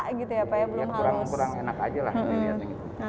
kurang enak saja